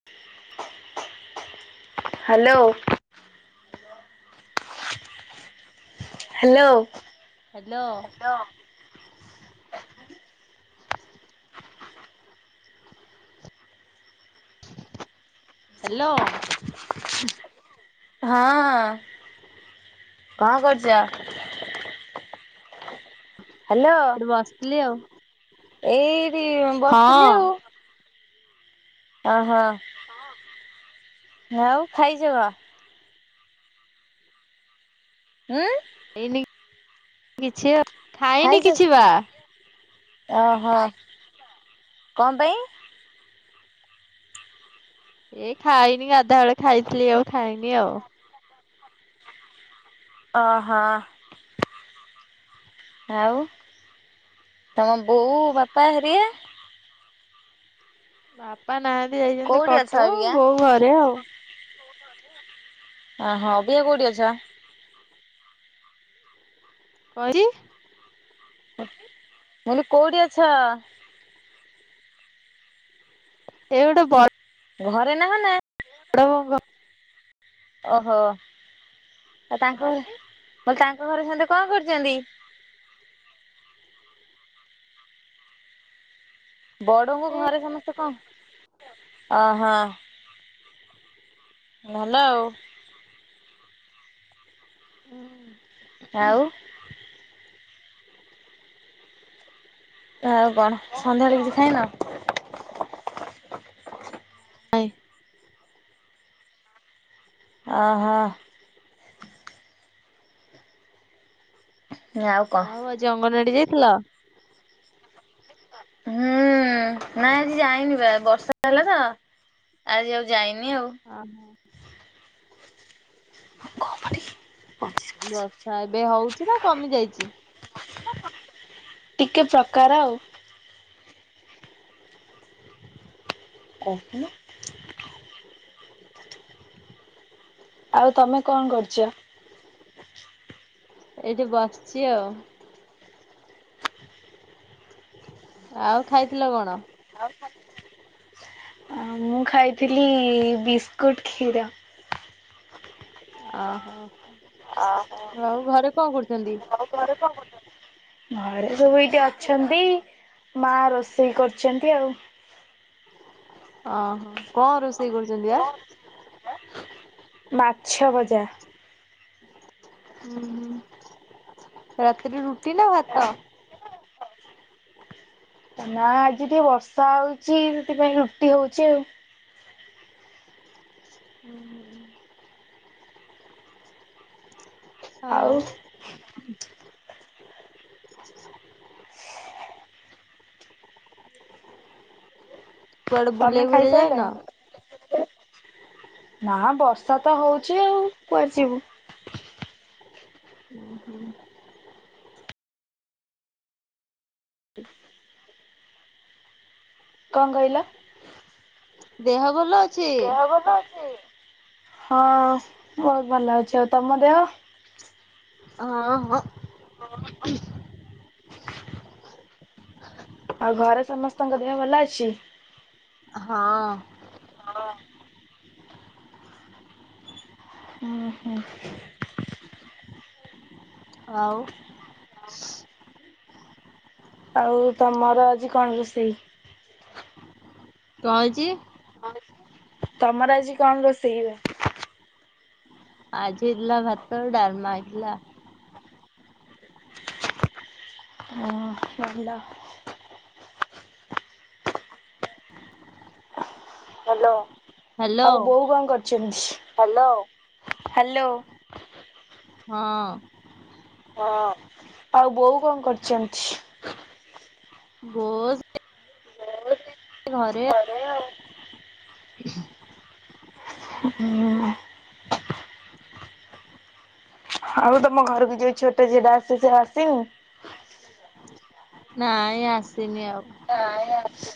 [inaudible] Hello. Hello. Hello. Hello. ହଁ କଣ କରୁଚ। ହାଲୋ। ବସ୍ଥିଲି ଆଉ। ଏଇଠି ହଁ ବସ୍ଥିଲି ଆଉ। ଓହୋ ଆଉ ଖାଇଚ କଂ। ଉଁ। ଏଇନି କିଛି ଖାଇନି କିଛି ବା। ଅହ କଂ ପାଇଁ। ଏଇ ଖାଇନି ଗାଧୁଆବେଳେ ଖାଇଥିଲି ଆଉ ଖାଇନି ଆଉ। ଅହ। ଆଉ ତମ ବୋଉ ବାପା ହେରିକା। ବାପା ନାହାନ୍ତି ଯାଇଛନ୍ତି କଟକ ବୋଉ ଘରେ ଆଉ। [inaudible] ଅ ହ ଅବିକା କୋଉଠି ଅଛ? କଣ ହେଇଚି? ମୁଁ କହିଲି କୋଉଠି ଅଛ? ଏଇ ଗୋଟେ ଵଡ୍ ଘରେ ନାହ ନା ବଡ ବୋଉଙ୍କ ଓହୋ ଆଉ ତାଙ୍କ ଘରେ ମୁଁ କହିଲି ତାଙ୍କ ଘରେ ସମିତେ କଣ କରୁଛନ୍ତି? ବଡବୋଉ ଏ ଘରେ ସମସ୍ତେ କଣ ଅହ। ଭଲ ଆଉ। ହୁଁ। ଆଉ। ଆଉ କଣ ସନ୍ଧ୍ୟାବେଳେ କିଛି ଖାଇନ? ନାଇ। ଓହୋ। ମୁ କହିଲି ଆଉ କଣ? ଆଜି ଅଙ୍ଗନବାଡ଼ି ଯାଇଥିଲ? ହୁଁ ନାଇଁ ଆଜି ଯାଇନି ବା ବର୍ଷା ହେଲା ତ ଆଜି ଆଉ ଯାଇନି ଆଉ। ଓହୋ। [unintelligible] ବର୍ଷା ଏବେ ହଉଛି ନା କମି ଯାଇଛି? ଟିକେ ପ୍ରକାର ଆଉ। କହୁନୁ। ଆଉ ତମେ କଣ କରୁଛ? ଏଇଠି ବସିଛି ଆଉ। ଆଉ ଖାଇଥିଲ କଣ? ମୁଁ ଖାଇଥିଲି ବିସ୍କୁଟ କ୍ଷୀର। ଅହୋ ଆଉ ଘରେ କଣ କରୁଛନ୍ତି? ଘରେ କଣ କରୁଛନ୍ତି? ଘରେ ସବୁ ଏଇଠି ଅଛନ୍ତି ମା ରୋଷେଇ କରୁଛନ୍ତି ଆଉ। ଓହୋ କଣ ରୋଷେଇ କରୁଛନ୍ତି ବା? ମାଛ ଭଜା। ହୁଁ ହୁଁ ରାତିରେ ରୁଟି ନା ଭାତ? ରୁଟି ନା ଭାତ। ନା ଆଜି ଟିକେ ବର୍ଷା ହଉଛି ସେଥିପାଇଁ ରୁଟି ହଉଛି ଆଉ। ହୁଁ ହୁଁ ହୁଁ। ଆଉ। [inaudible] କୁଆଡେ ତମେ ବୁଲିବାକୁ ଖାଇ ଫୁଲିବାକୁ ଯାଇନ? ସାରିଲଣି? ନା ବର୍ଷା ତ ହଉଛି ଆଉ କୁଆଡେ ଯିବୁ। ହୁଁ ହୁଁ। କଣ କହିଲ? ଦେହ ଭଲ ଅଛି? ହଁ ବହୁତ ଭଲ ଅଛି ଆଉ ତମ ଦେହ? ହଁ ଭ ହଁ [unintelligible] ଆଉ ଘରେ ସମସ୍ତଙ୍କ ଦେହ ଭଲ ଅଛି। ହଁ। ହଁ ହୋ। ଆଉ ହଁ ଆଉ ତମର ଆଜି କଣ ରୋଷେଇ? କଁ ହେଇଚି? ତମର ଆଜି କଣ ରୋଷେଇବା? ଆଜି ହେଇଥିଲା ଭାତ ଡାଲମା ହେଇଥିଲା। ଓ ଭଲ। ହଲୋ ହ୍ୟାଲୋ ଆଉ ବୋଉ କଣ କରୁଚି? Hello hello. ହଁ। ହଁ। ଆଉ ବୋଉ କଣ କରିଚନ୍ତି? [unintelligible] [unintelligible] ଘରେ ହୁଁ। ଆଉ ତମ ଘରକୁ ଯୋ ଉ ଛୋଟ ଝିଏଟା ଆସେ ସେ ଆସିନି? ନାଇଁ ଆସିନି ଆଉ। ନାଇଁ ଆସିନି।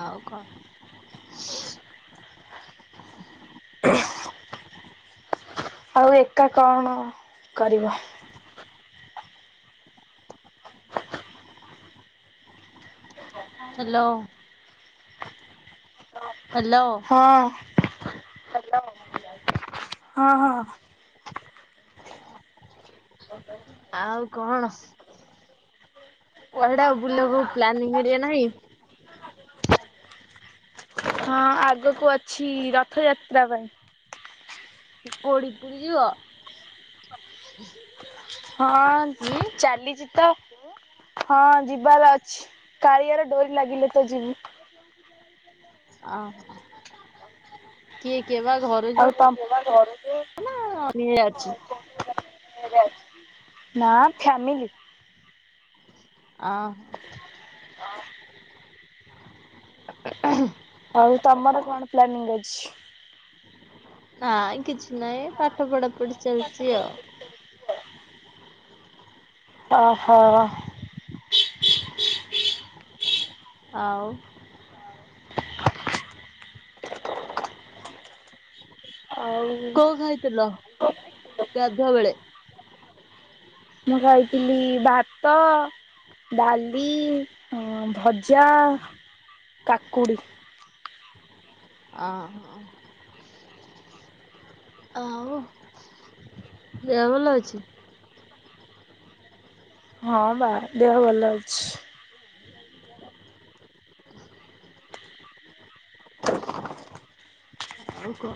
ଆଉ କଣ? ହ ଆଉ ଏକା କଣ କରିବ? ହ୍ୟାଲୋ। ହ୍ୟାଲୋ। ହଁ ହଁ ହଁ। ଆଉ କଣ? କୁଆଡେ ଆଉ ବୁଲିବୁ ପ୍ଲାନିଂ ହେରିଆ ନାହିଁ? ହଁ ଆଗକୁ ଅଛି ରଥଯାତ୍ରା ପାଇଁ। କୋଡ଼ି ପୁରୀ ଯିବ? ହଁ ହୁଁ ଚାଲିଚି ତ। ହଁ ଯିବାର ଅଛି କାଳିଆରେ ଡୋରି ଲାଗିଲେ ତ ଯିବୁ। ଓହୋ କିଏ କି ବା ଘରୁ ଆଉ ତମ [unintelligible] ଅଛି ନା ଫ୍ୟାମିଲି। ଅ ହ ଅ ଆଉ ତମର କଣ ପ୍ଲାନିଂ ଅଛି? ନାଁ କିଛି ନାହିଁ ପାଠ ପଢା ପଢି ଚାଲିଚି ଆଉ। ଓହୋ। ଆଉ ଆଉ କୋଉ ଖାଇଥିଲ ଗାଧୁଆ ବେଳେ? ମୁଁ ଖାଇଥିଲି ଭାତ ଡାଲି ଭଜା କାକୁଡି। ଆ ଆଉ ଦେହ ଭଲ ଅଛି? ହଁ ବା ଦେହ ଭଲ ଅଛି। [unintelligible] ହୋଉ କ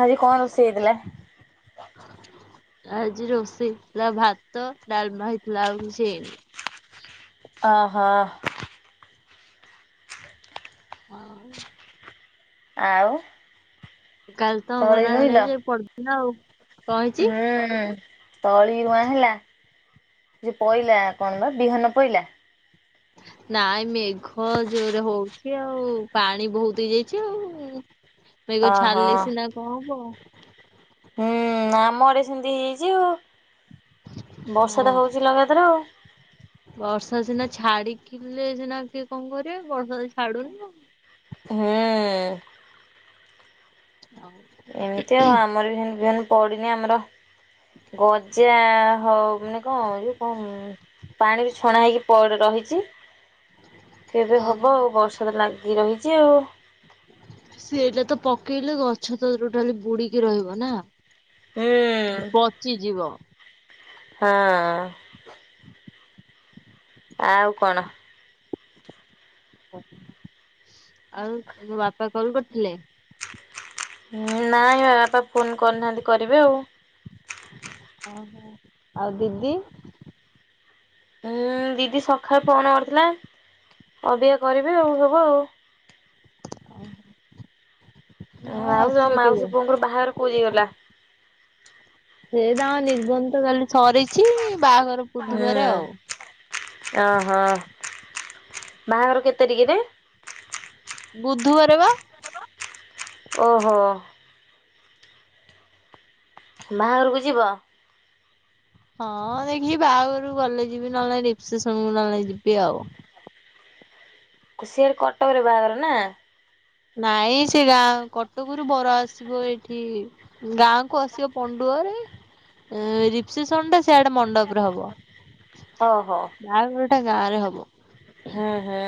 ହାଜି କଣ ରୋଷେଇ ହେଇଥିଲା? ଆଜି ରୋଷେଇ ହେଇଥିଲା ଭାତ ଡ଼ାଲମା ହେଇଥିଲା ଆଉ କିଛି ହେଇନି। ଅ ହ [unintelligible] ଆଉ। କାଲି ତ ତଳି ଅଙ୍ଗନୱଡି ରୋଇଲ? ନାଇଁ ଯେ ପଢୁଥିଲା ଆଉ। କଣ ହେଇଛି ହୁଁ ତଳି ଉଆଁ ହେଲା ସେ ପଇଲା କଣ ବା ବିହନ ପଇଲା। ନାଇଁ ମେଘ ଜୋରରେ ହୋଉଚି ଆଉ ପାଣି ବୋହୁତ ହେଇଯାଇଚି ଆଉ। ମେଘ ଓହୋ ଛାଡିଲେ ସିନା କଁ ହବ। ହୁଁ ଆମ ଆଡେ ସେମିତି ହେଇଯାଇଚି ଆଉ। ବର୍ଷା ହୁଁ ତ ହଉଛି ଲଗାତାର ଆଉ। ବର୍ଷା ସିନା ଛାଡିକିଲେ ସିନା କିଏ କଣ କରିବେ ବର୍ଷା ତ ଛାଡୁନି ଆଉ। ହଁ [unintelligible] ଏମିତି ଆଉ ଆମର ବି ବିହନ ପଡ଼ିନି ଆମର ଗଜା ହଉ ମାନେ କଁ ଯଉ କଣ ପାଣି ଛଣା ହେଇକି ପଇଡ ରହିଚି। କେବେ ଓହୋ ହବ ଆଉ ବର୍ଷା ତ ଲାଗିକି ରହିଛି ଆଉ। ସେଟା ତ ପକେଇଲେ ଗଛ ତ ତୋଟାଲି ବୁଡିକି ରହିବ ନା। ହୁଁ ପଚିଯିବ। ହଁ। ଆଉ କଣ? ଆଉ ତୁମ ବାପା କଲ୍ କରିଥିଲେ? ନାଇଁ ବା ବାପା ଫୋନ୍ କରିନାହାନ୍ତି କରିବେ ଆଉ। ଓ ହୋ ଆଉ ଦିଦି? ହୁଁ ଦିଦି ସକାଳୁ ଫୋନ କରିୁଥିଲା ଅବିକା କରିବି ଆଉ ସବୁ ଆଉ। ହଁ ଭାଉଜ ଆସିବେ କେବେ? ମାଉସୀ ପୁଅଙ୍କର ବାହାଗର ପୁରୀ ଗଲା? ସେ ତାଙ୍କ ନିର୍ବନ୍ଧ କାଲି ସରିଚି। ବାହାଘର ବୁଧୂ ବାରେ ଆଉ। ଓ ହୋ ବାହାଘର କେତେ ତାରିଖରେ? ବୁଧୁବାର ବା। ଓ ହୋ। ବାହାଘରକୁ ଯିବ? ହଁ ଦେଖିବି ବାହାଘରୁକୁ ଗଲେ ଯିବି ନହେଲେ ନାଇଁ ରିସେପ୍ସନ ନହେଲେ ନାଇଁ ଯିବି ଆଉ। ଖୁସି ଭାରି କଟକରେ ବାହାଘର ନା? ନାଇଁ ସେ ଗାଁ କଟକୁରୁ ବର ଆସିବ ଏଠି ଗାଁ କୁ ଆସିବ ପଣ୍ଡୁଅରେ। ଏ ରିପସେସନ ଟା ସେଆଡେ ମଣ୍ଡପରେ ହବ। ଓ ହୋ। ବାଘର ଟା ଗାଁ ରେ ହବ। [unintelligible]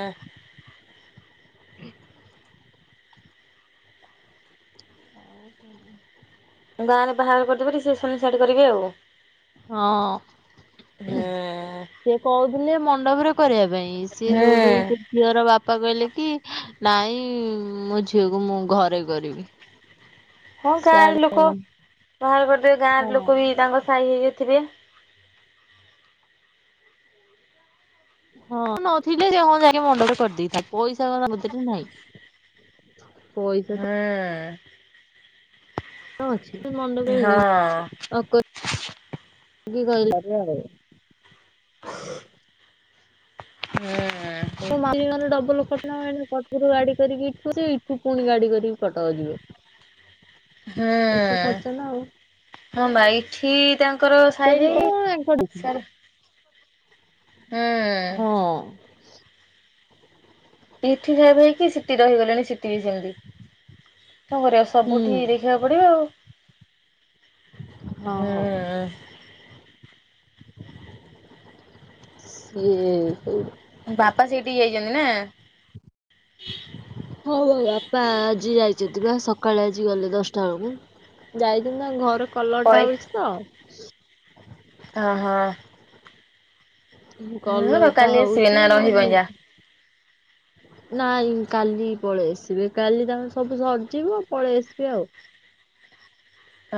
ଗାଁ ରେ ବାହାର କରିଦେବେ ରିସେପ୍ସନ ସାଡେ କରିବେ ଆଉ। ହଁ। ହୁଁ ସିଏ କହୁଥିଲେ ମଣ୍ଡପରେ କରିଆ ପାଇଁ ସିଏ ହୁଁ ଯୋଉଠୁ ସେ ଝିଅର ବାପା କହିଲେ କି ନାଇଁ ମୋ ଝିଅକୁ ମୁଁ ଘରେ କରିବି। ହଁ ଗାଁ ର ସିଆଡେ ଲୋକ ବାହାର କରିଦେବେ ଗାଁ ର ହଁ ଲୋକ ବି ତାଙ୍କ ସାହି ହେଇକିଥିବେ। ହଁ ନଥିଲେ ସେ ହଁ ଯାଇକି ମଣ୍ଡପରେ କରିଦେଇଥାନ୍ତେ। [unintelligible] ନାହିଁ। ପଇସା ହୁଁ ତ ହ ଅଛି ମଣ୍ଡପରେ ହଁ। ହ ହଁ ଡବଲଟ [inaudible] ରୁ ଗାଡି କରିକି ଇଠୁ ଯେ ଏଇଠୁ ପୁଣି ଗାଡି କରିକି କଟକ ଯିବେ। ବେଶୀ ଖର୍ଚ୍ଚ ନା ଆଉ ହୁଁ ହଁ ମା ଏଠି ତାଙ୍କର ସାାଇ ସେଇଠି ଭାଇ କଣ ସ ହଁ ଠି ଭ ହେକି ସିତି ରହିଗଲେଣି ସିତି ବି ସେମିତି ତା କରିବା ହୁଁ ସବୁଠି ଦେଖିବାକୁ ପଡିବ ଆଉ ଓହୋ ହୁଁ ସେଏ ବାପା ସେଇଠିି ଯାଇଛନ୍ତି ନା। ହଉ ହଉ ବାପା ଆଜି ଯାଇଛନ୍ତି। ବା ସକାଳେ ଆଜି ଗଲେ ଦଶଟା ବେଳକୁ ଯାଇଛନ୍ତି ନା ଘର କଲରଟା ହଉଛି ତ। ହ ହଁ ହଁ କଲର ତ ଟା କାଲି ଆସିବି ହଉଛି ନା ରହିବ ଯା। ନାଇଁ କାଲି ପଳେଇ ଆସିବେ କାଲି ତାମେ ସବୁ ସଜିବ ପଳେଇ ଆସିବେ ଆଉ।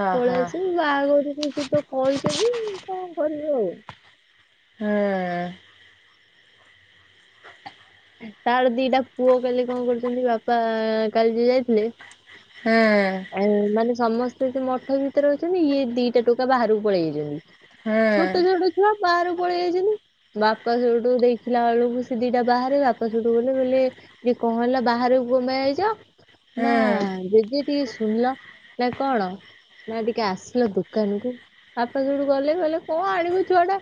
ଓହୋ। ପଳେଇ ଆସିବ ବାହାଘରକୁ ସେ ତ କହିଛନ୍ତି। କ'ଣ କରିବୁ ଆଉ ହଁ ହ ତାର ଦିଟା ପୁଅ କାଲି କ'ଣ କରୁଛନ୍ତି? ବାପା କାଲି ଯ ଯାଇଥିଲେ। ହୁଁ ଆ ମାନେ ସମସ୍ତେ ଯ ମଠ ଭିତରେ ଅଛନ୍ତି। ଇଏ ଦିଟା ଟୋକା ବାହାରକୁ ପଳେଇ ହୁଁ ଯାଇଛନ୍ତି। ଛୋଟ ଛୋଟ ଛୁଆ ବାହାରୁ ପଳେଇ ଯାଇଛନ୍ତି। ବାପା ସୋଠୁ ଦେଇି ଦେଖିଲା ବେଳକୁ ସେ ଦିଟା ବାହାରେ ବାପ ସଠୁ ଗଲେ ବୋଇଲେ ଯିଏ କ'ଣ ହେଲା ବାହହାରକୁ କମେଇ ଯାଇଛ? ନା ହୁଁ। ଜଦେ ଟିକେ ଶୁଣିଲ ନା କ'ଣ? ନା ଟିକେ ଆସିଲ ଦୋକାନ କୁ ବାପା ଯୋଉଠୁ ଗଲେ ଗଲେ କ'ଣ ଆଣିବୁ ଛୁଆ ଟା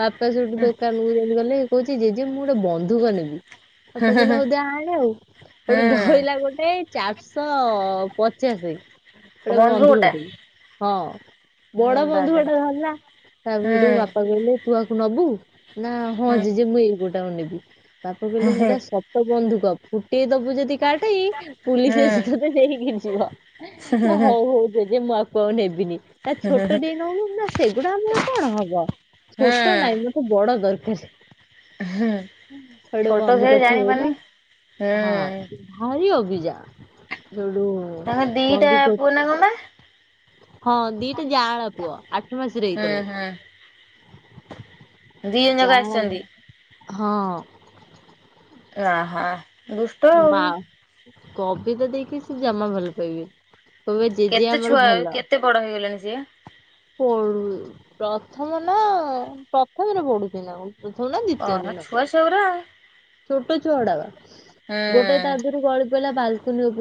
ବାପା ସଠୁ ହୁଁ ହୁଁ ଦୋକାନକୁ ଯାଇ ଗଲେ କହୁଛି ଜେ ଯେେ ମୁଁ ଗୋଟେ ବନ୍ଧୁକ ନେବି। ସପ ହୁଁ କିଲୋ ହଉ ଦେ ଆଡ ଆଉ ଗୋଟେ ହୁଁ ଧୋଇଲା ଗୋଟେ ଚାରିଶହ ସ ଗୋଟେ ବନ୍ଧୁ ଗୋଟା ବନ୍ଧୁଟ ହଁ ବଡ ବାବା ବନ୍ଧୁଟା ଧରଲା ହୁଁ ତାପଠୁ ବାପା କହିଲେ ତୁ ଆକୁ ନବୁ। ନା ହଁ ହୁଁ ଜଜେ ମୁଁ ଏଇ ଗୋଟାକୁ ନେବି ବାପା କହିଲେ ହୁଁ ସେଟା ସତ ବନ୍ଧୁକ। ଗୋଟିେ ଦବୁ ଯଦି କାଟେ ପୁଲିସ ହୁଁ। ଆସି ତତେ ଦେଇକି ଯ ନା ହୁଁ ହଉ ହଉ ଜେଜେ ମୁଁ ଆକୁ ଆଉ ନେବିନି। ତା ହୁଁ ଛୋଟ ଦେଇ ନଉନୁ ନା ସେଗୁଡା ଆମର କ'ଣ ହବ ଛୋଟ ନାଇଁ ମୁଁ ବଡ ଦରକାର। ହୁଁ ଆଡେ ଛୋଟ ବନ୍ଦ ସେ କଥଲା ଜାଣିପାରୁନି। ହୁଁ ହଁ। ଭାରି ଅଭିଜା ସେୋଠୁ ତାଙ୍କେ ଦିଟା ପୁଅ ନା ପା ହଁ ଦିଟା ଜାଳ ପୁଅ ଆଠ ମାସରେ ହୁଁ ହେଇଥିଲା। ହୁଁ ଦି ଜଣ ଜକ ଆସିଛନ୍ତି। ହଁ ଓହୋ ମା କପି ତ ଦେଇକି ସେ ଜମା ଭଲ ପାଇବି। କବେ କେତେ ଜେଜେ ଛୁଆ ଆମର ଭଲ କେତେ ପଡଙ୍ଗଗଲେଣି ସିଏ। ପଢୁ ପ୍ରଥମ ନା ପ୍ରଥମରେ ପଡୁଛି ନା କ ତଁ ଥ ନା ଦି ଓେ କଣ ନ ଛୁଆ ସେଗୁରା ଆଉ। ଛୋଟ ଛୁଆଡା ବା ଗୋଟେ ହୁଁ। ତାଦହରୁ ଗଳି ପଡ଼ଲା ବାଲକୁନି ଉପ